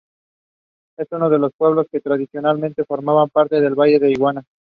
Es uno de los pueblos que tradicionalmente formaban parte del valle de Iguña.